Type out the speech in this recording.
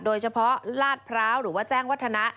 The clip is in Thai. โดยเฉพาะลาดพร้าวหรือว่าแจ้งวัฒนะ